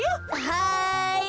はい！